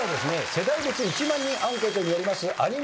世代別１万人アンケートによりますアニメ主題歌